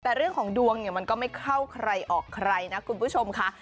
แต่เรื่องของดวงเนี่ยมันก็ไม่เข้าใครออกใครนะคุณผู้ชมค่ะ